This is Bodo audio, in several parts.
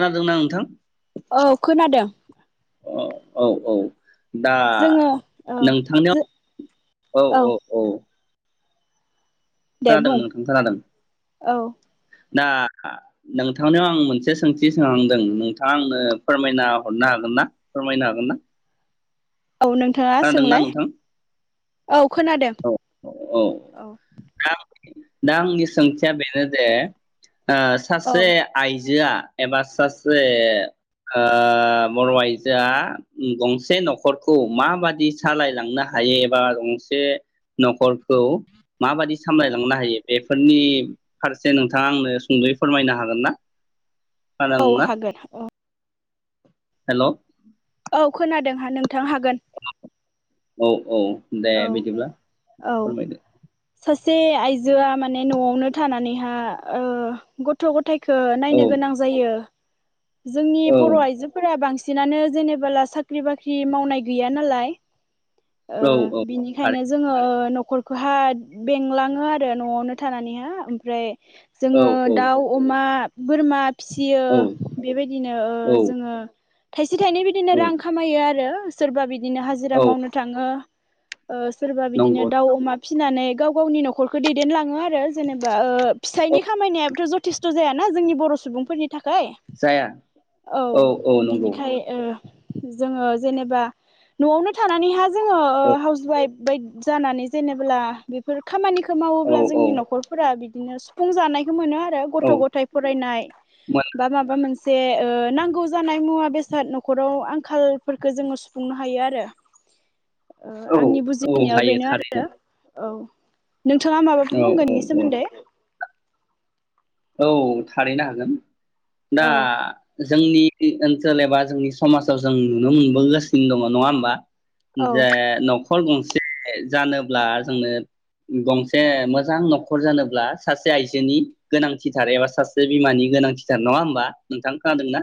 खोनादोंना नोंथां औ खोनादों अ औ औ दा जोङो औ नोंथांनियाव औ औ औ दे खोनादों बुं नोंथां खोनादों। औ दा नोंथांनियाव आं मोनसे सोंथि सोंहांदों नोंथाङा आंनो फोरमायना हरनो हागोन ना फोरमायनो हागोन ना? औ नोंथाङा खोनादोंना सोंलाय। नोंथां औ खोनादों। औ आं दा आंनि सोंथिया बेनो जे ओ औ सासे आइजोआ एबा सासे ओ बर'आइजोआ गंसे नखरखौ माबादि सालायलांनो हायो एबा गंसे नखरखौ माबादि सामलायलांनो हायो बेफोरनि फारसे नोंथाङा आंनो सुंदयै फोरमायनो हागोन ना? औ खोनादोंना हागोन औ हेल' औ खोनादोंहा नोंथां हागोन। औ औ दे औ बिदिब्ला औ फोरमायदो। सासे आइजोआ माने नआवनो थानानैहा ओ गथ' गथाय खो औ नायनो गोनां जायो। जोंनि औ बर आइजोफोरा बांसिन सिनानो जेनेबोला साख्रि बाख्रि मावनाय गैया नालाय। ओ औ थारै निखायनो जोङो ओ नखर खौहा बेंलाङो आरो नआवनो थानानैहा ओमफ्राय औ जोङो औ दाउ, अमा बोरमा फिसियो औ बेबायदिनो ओ औ जोङो फिथाइनि बिदिनो औ रां खामायो आरो सोरबा बि दिनो औ हाजिरा मावनो थाङो। ओ सोरबा बिदिनो नंगौ दाउ अमा फिनानै गाव गावनि नखर'खौ दैदेनलाङो आरो जेनेबा ओ औ फिसाइनि खामायनायाबोथ जथेस्थ जायाना जोंनि बर' सुबुंफोरनि थाखाय जाया औ औ नंगौ बिनिखाय ओ जोङो जेनेबा नआवनो थानानैहाय जोङो औ हावस [unintelligible] जानानै जेनेब्ला बेफोर खामानि खौ औ मावोब्ला औ जोंनि नखरफोरा बि बिदिनो सुफुं जानाय मोनो आरो गथ' औ गथाय फरायनाय मोन बा माबा मोनसे ओ नांगौ जानाय मुवा बे स नखराव आंखालफोरखौ जोङो सुफुंनो हायो आरो औ आंनि औ बुजिनायाव हायो बेनो थारैनो आरो औ। नोंथाङा औ माबाफोर बुंगोन औ इनि औ सोमोन्दै औ थारैनो हागोन। दा औ जोंनि ओनसोल एबा जोंनि समाजाव जों नुनो मोनबोगासिनो दङ नङा होमबा? औ जे न नखर गंसे जानोब्ला जोंनो गंसे मोजां नखर जानोब्ला सासे आइजोनि गोनांथिथार एबा सासे बिमानि गोनांथिथार नङा होमबा नोंथां खोनादों ना?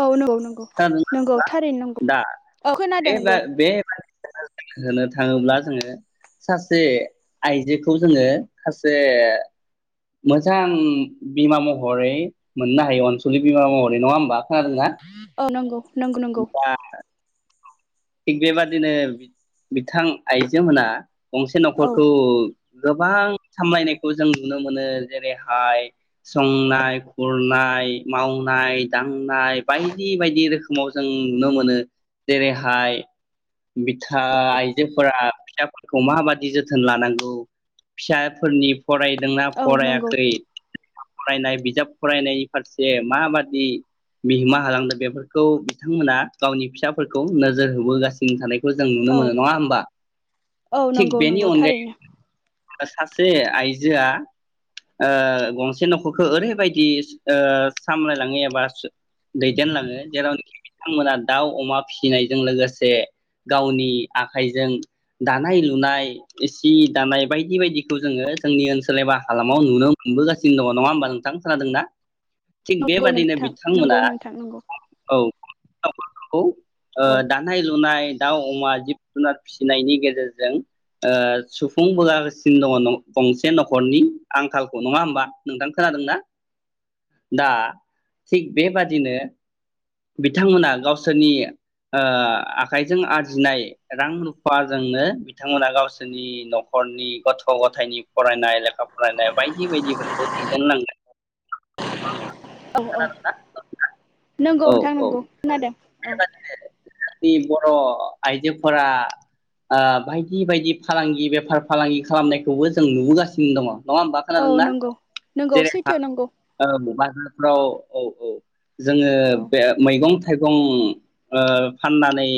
औ नंगौ नंगौ नंगौ थारैनो नंगौ दा औ बे खोनादों बा नंगौ। बे [inaudible] होनो थाङोब्ला जोङो सासे आइजोखौ जोङो सासे मोजां बिमा महरै मोननो हायो अनसलि बिमा महरै नङा होमबा? खोनादोंना? औ नंगौ नंगौ नंगौ। थिग बेबादिनो बिथां आइजो मोना गंसे औ नखरखौ गोबां सामलायनायखौ जों नुनो मोनो जेरैहाय संनाय खुरनाय मावनाय दांनाय बायदि बायदि रोखोमाव जों नुनो मोनो जेरै हाय बिथा आइजोफोरा फिसाफोरखौ माबादि जोथोन लानांगौ फिसाफोरनि फरायदोंना औ नंगौ फरायाखै? फरायनाय बिजाब फरायनायनि फारसे माबादि बिहोमा होलांदों बेफोरखौ बिथांमोना गावनि फिसाफोरखौ नोजो जोर होबोगासिनो थानाय खौ जों नुनो औ मोनो नङा होमबा औ थिग नंगौ बेनि नंगौ अनगायै थारैनो बा सासे आइजोआ ओ गंसे नखरखौ ओरैबायदि ओ सामलायलाङो एबा दैदेन लाङो जेरावनेखि बिथांमोना दाउ, अमा फिसिनाय जों लोगोसे गावनि आखाइजों दानाय लुनाय सि दानाय बायदि बायदिखौ जोङो जोंनि ओनसोल एबा हालामाव नुनो मोनबोगासिनो दङ नङा होमबा नोंथां खोनादोंना? थिग नंगौ बेबादिनो नोंथां नंगौ बिथांमोना नोंथां नंगौ औ [unintelligible] ओ औ दानाय लुनाय दाउ अमा जिब जुनार फिसिनायनि गेजेरजों ओ सुफुंबोगासिनो दङ गंसे नखरनि आंखालखौ। नङा होमबा नोंथां खोनादोंना? दा थिग बेबादिनो बिथांमोना गावसोरनि ओ आखाइजों आरजिनाय रां रुफाजोंनो बिथांमोना गावसोरनि नखरनि गथ' गथायनि फरायनाय लेखा फरायनाय बायदि बायदिफोरखौ दैदेनलांनो औ औ खोनादोंना नोंथांआ? नंगौ नोंथां नांगौ खोनादों औ [unintelligible] जोंनि बर' आइजोफोरा ओ बायदि बायदि फालांगि बेफार फालांगि खालामनायखौबो जों नुबोगासिनो दङ। नङा होमबा औ खोनादोंना? नंगौ नंगौ जेरै सैथो नंगौ औ औ औ जोङो औ बे मैगं गं ओ फाननानै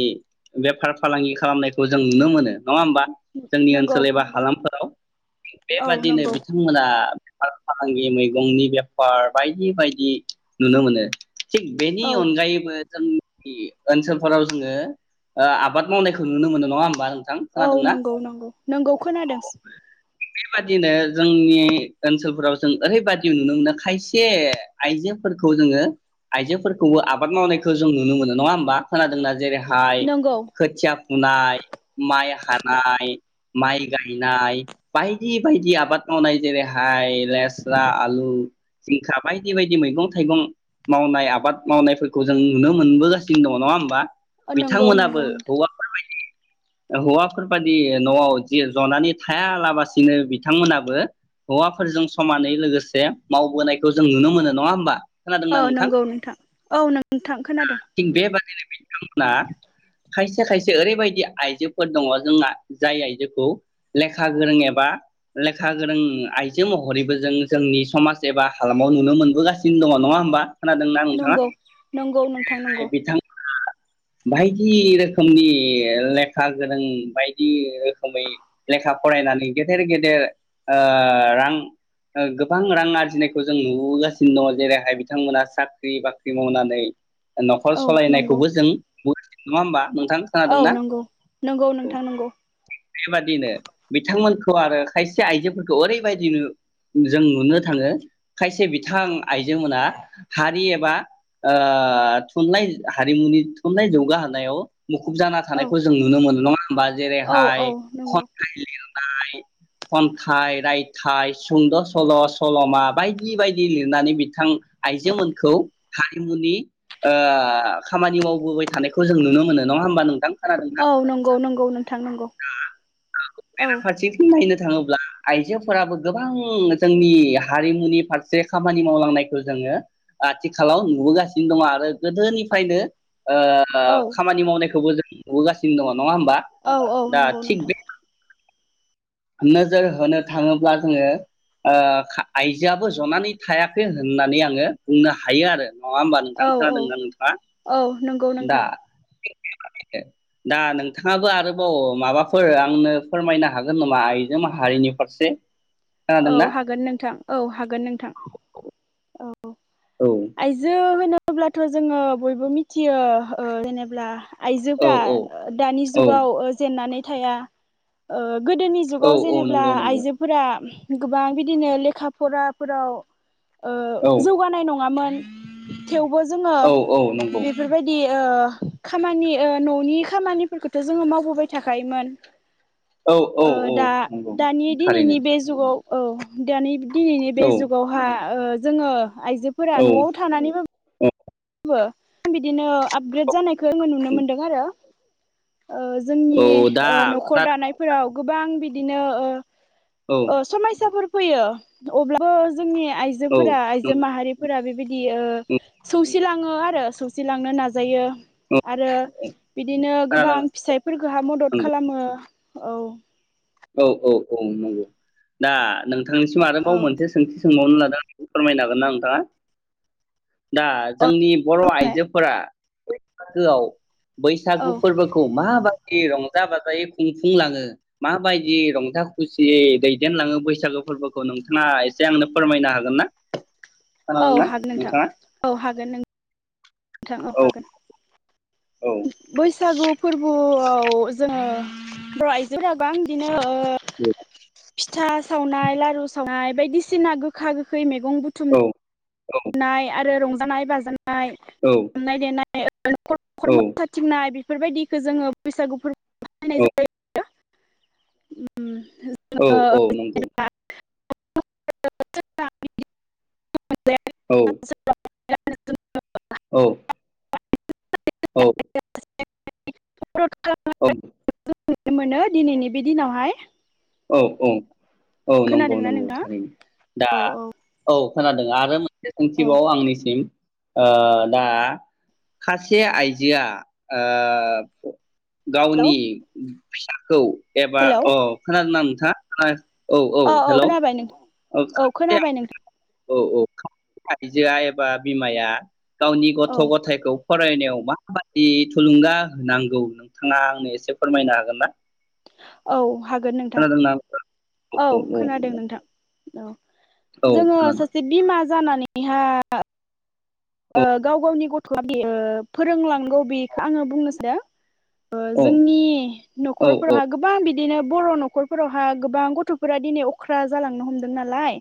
बेफार फालांगि खालामनायखौ जों नुनो मोनो। नङा होमबा? जोंनि नंगौ ओनसोल एबा नंगौ हालामफोराव औ बेबादिनो नंगौ बिथांमोना बेफार फालांगि मैगंनि बेफार बायदि बायदि नुनो मोनो। थिग बेनि औ अनगायैबो जोंनि ओनसोलफोराव जोङो ओ आबाद मावनायखौ नुनो मोनो नङा होमबा नों औ नंगौ नंगौ नंगौ खोनादों। बेबादिनो जोंनि ओन्सोलफोराव जों ओरैबदि नुनो मोनो खायसे आइजोफोरखौ जोङो आइजोफोरखौबो आबाद मावनाय खौ जों नुनो मोनो नङा होमबा खोनादोंना? जेरै हाय नंगौ खोथिया फुनाय, माइ हानाय माइ गायनाय बायदि बायदि आबाद मावनाय जेरैहाय लेस्रा, आलु, जिंखा बायदि बायदि मैगं थाइगं मावनाय आबाद मावनायफोरखौ जों नुनो मोनबोगासिनो दङ। नङा होमबा? नंगौ नंगौ बिथांमोनाबो नोंथां हौवाफोर बायदि ओ हौवाफोरबादि नआव जि जनानै थायालाबासिनो बिथांमोनाबो हौवाफोरजों समानै लोगोसे मावबोनायखौ जों नुनो मोनो नङा होनबा? औ नंगौ नोंथां औ नोंथां खोनादों थिग बेबादिनो बिथांमोना खायसे खायसे ओरैबायदि आइजोफोर दङ जोंहा जाय आइजोखौ लेखा गोरों एबा लेखा गोरों आइजो महरैबो जों जोंनि समाज एबा हालामाव नुनो मोनबोगासिनो दङ नङा होमबा? खोनादोंना नोंथाङा? नंगौ नंगौ नोंथां नंगौ। बिथां बायदि रोखोमनि लेखा गोरों बायदि रोखोमै लेखा फरायनानै गेदेर गेदेर ओ रां ओ गोबां रां आरजिनायखौ जों नुबोगासिनो दङ जेरैहाय बिथांमोना साख्रि बाख्रि मावनानै नै नखर' औ नंगौ सलायनायखौबो जों नङा होमबा? नोंथां औ खोनादोंना नंगौ नंगौ औ नोंथां नंगौ बेबादिनो बिथांमोनखौ खौ आरो खायसे आइजोफोरखौ ओरैबायदि जों नुनो थाङो खायसे बिथां आइजो मोना हारि एबा ओ थुनलाइ हारिमुनि थुनलाइ जौगाहोनायाव मुखुब जाना औ थानायखौ जों नुनो मोनो नङा बा जेरै औ औ हाय नंगौ खन्थाइ लिर [unintelligible] खन्थाइ रायथाइ सुंद सल सलमा बायदि बायदि लिरनानै बिथां आइजोमोनखौ हारि मुनि ओ खामानि मावबोबाय थानायखौ जों नुनो मोनो नङा होमबा नोंथां? खोनादोंना? औ नंगौ नंगौ नोंथां नंगौ औ। फारसेथिं नायनो थाङोब्ला आइजोफोराबो गोबां जोंनि हारिमुनि फारसे खामानि मावलांनायखौ जोङो आथिखालाव नुबोगासिनो दं आरो गोदोनिफ्रायनो औ ओ खामानि मावनायखौबो जों नुबोगासिनो दङ। नङा होमबा औ औ दा नंगौ थिग नोंथां बे नोजोर होनो थाङोब्ला जोङो ओ आइजोआबो जनानै थायाखै होननानै आङो बुंनो हायो आरो। नङा होमबा नोंथां औ औ खोनादोंना नोंथाङा औ नंगौ दा नोंथां बेबादिनो दा नोंथाङाबो आरोबाव माबाफोर आंनो फोरमायनो हागोन नामा आइजो माहारिनि फारसे? औ खोनादोंना हागोन नोंथां औ हागोन नोंथां औ। औ आयजो होनो अब्लाथ जोङो बयबो मिथियो ओ जेनेब्ला औ आइजोफ्रा औ दानि औ जुगाव जेननानै थाया ओ गोदोनि औ जुगाव औ जेनेब्ला नंगौ नंगौ आइजोफोरा गोबां बिदिनो लेखा फराफोराव ओ औ जौगानाय नङामोन। [inaudible] थेवबो जोङो औ औ नंगौ बेफोरबायदि ओ खामानि ओ ननि खामानिफोरखौथ जोङो मावबोबाय थाखायोमोन। औ औ ओ औ दा नंगौ दानि थारैनो दिनैनि बे जुगाव औ दानि दिनैनि बे औ जुगावहा ओ जोङो आइजोफोरा औ नआव थानानैबा औ [unintelligible] बिदिनो आपग्रेड जानाय खो आङो नुनो मोन्दों आरो। ओ जोंनि औ दा ओ नखर दानायफोराव गोबां बि दिनो ओ औ ओ समायसाफोर फैयो अब्लाबो जोंनि औ आइजोफोरा आइजो माहारि फोरा बेबायदि [unintelligible] सिलाङो आरो सौसिलांनो नाजायो। आरो बिदिनो गोबां खोनादों फिसायफोरखो हा मदद नंगौ खालामो। औ। औ औ औ नंगौ दा नों थांनिसिम आरोबाव औ मोनसे सोंथि सोंबावनो [unintelligible] फोरमायनो हागोन ना नोंथाङा दा जोंनि बर आइजोफोरा [unintelligible] बैसागु औ फोरबोखौ मा बा [unintelligible] रंजा बाजायै खुंफुंलाङो माबायदि [unintelligible] रंजा खुसि दैदेनलाङो बैसागो फोरबोखौ नोंथाङा एसे आंनो फोरमायनो हागोन ना? औ खोनादोंना हागोन नोंथां नोंथाङा औ हागोन नों थां औ हागोन। औ बैसागु फोरबोआव जोङो [unintelligible] ओ औ फिथा सावनाय लारु सावनाय बायदि सिना गोखा गोखै मेग गं बुथुम औ औ नाय आरो रंजानाय बाजा [unintelligible] ए औ औ [unintelligible] बेफोरबायदिखौ जोङो बैसागु [unintelligible] उम औ औ नंगौ [unintelligible] औ [unintelligible] औ औ [unintelligible] औ नुनो मोनो दिनैनि बे दिनावहाय। औ औ औ नंगौ खोनादोंना नंगौ नोंथाङा थारैनो दा औ औ औ खोनादों आरो मो नसें औ सोंथिबाव आंनिसिम ओ दा खासे आइजोआ ओ हेलौ गावनि फिसाखौ एबा अ ना नोंथाङा? औ अ औ हेलौ खोनाबाय नोंथां औ खोनाबाय नों औ औ आइजोआ एबा बिमाया गावनि गथ' औ गथाइखौ फरायनायाव माबादि थुलुंगा होनांगौ नोंथाङा आंनो एसे फोरमायनो हागोन ना? औ हागोन नोंथां खोनादोंना औ खोनादों नोंथां। औ औ जोङो खोनादों सासे बिमा जानानैहा औ गाव गावनि गथआ‌ [unintelligible] ओ फोरोंलांगौ बेखो आङो बुंनोसानदों। ओ औ जोंनि औ औ नखरफोरावहा गोबां बिदि बिदिनो बर' नखरफोरावहा गोबां गथफोरा दिनै अख्रा जालांनो हमदों नालाय।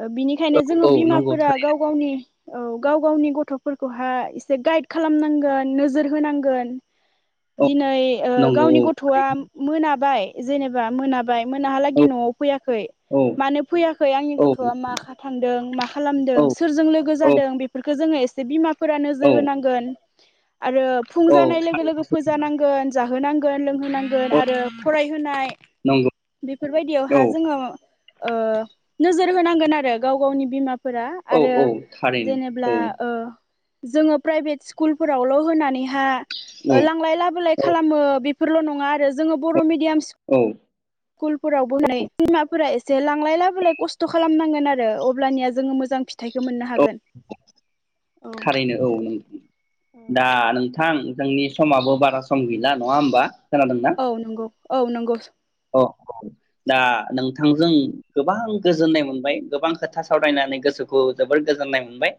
ओ बिनिखायनो औ जोङो औ नंगौ बिमाफोरा थारै गाव गावनि औ गाव गावनि गथ'फोरखौहा एसे गाइद खालामनांगोन नोजोर होनांगोन। औ दिनै ओ नंगौ गावनि गथ'आ मोनाबाय जेनेबा मोनाब बाय मोनाहालागै औ न'आव फैयाखै औ मानो फैयाखै आंनि औ गथ'आ माखा थांदों मा औ खालामदों सोरजों लोगो औ जादों बेफोर जों एसे बिमाफ फोरा औ नोजोर होनांगोन आरो फुं औ जानाय लोगो लोगो फोजा नांगोन जाहा होनांगोन लोंहो नांगोन औ आरो फरायहोनाय नंगौ बेफोरबायदियावहा औ जोङो ओ नोजोर होनांगोन आरो गाव गावनि बिमाफ औ औ थारैनो। ब्ला औ ओ जोङो प्राइभेट स्कुलफोरावल' होनानैहा औ ओ लांलाय लाबोलाय औ खालामो बेफ फोरल' नङा आरो जोङो बर' मिडि मिडियाम औ [unintelligible] बिमाफोरा एसे जे लांलाय लाबोलाय खस्थ' खालामनांगोन आरो अब्लानिया जोङो मोजां‌ फिथ थाइखौ मोननो औ हागोन। औ थारैनो औ [unintelligible] दा नोंथा थां जोंनि समाबो बारा सम गैला नङा होमबा? खोनादोंना औ नंगौ। औ नंगौ स अ ह दा नोंथांजों गोबां गोजोननाय मोनबाय गोबां खोथा सावरायनानै गोसोखौ जोबोर गोजोननाय मोनबाय।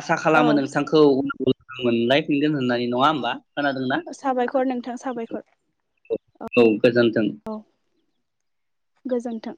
आसा औ खालामो नोंथांखौ उनावबो मोनलायफिनगोन होननानै नङा होमबा? खोनादोंना साबायखर नोंथां साबायखर। औ गोजोन्थों। गोजोन्थों।